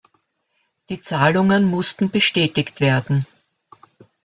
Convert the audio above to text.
Die Zahlungen mussten bestätigt werden.